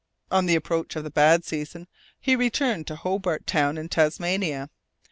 On the approach of the bad season, he returned to Hobart Town, in Tasmania.